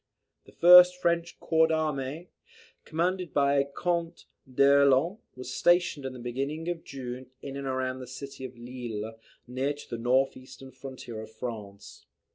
The first French corps d'armee, commanded by Count d'Erlon, was stationed in the beginning of June in and around the city of Lille, near to the north eastern frontier of France.